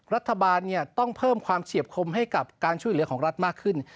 รัฐบาลต้องเพิ่มความเฉียบคมให้กับการช่วยเหลือของรัฐมากขึ้น